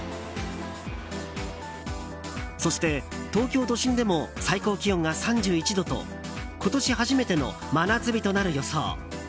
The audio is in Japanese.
そして東京都心でも最高気温が３１度と今年初めての真夏日となる予想。